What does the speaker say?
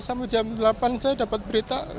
sampai jam delapan saya dapat berita